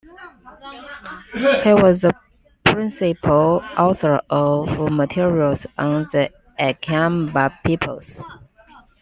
He was the principal author of materials on the Akamba peoples.